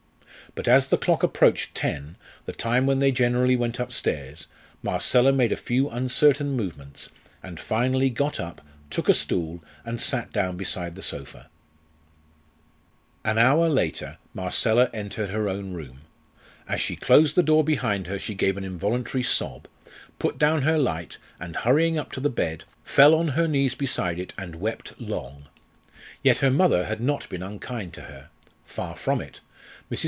But as the clock approached ten, the time when they generally went upstairs, Marcella made a few uncertain movements, and finally got up, took a stool, and sat down beside the sofa. An hour later Marcella entered her own room. As she closed the door behind her she gave an involuntary sob, put down her light, and hurrying up to the bed, fell on her knees beside it and wept long. Yet her mother had not been unkind to her. Far from it. Mrs.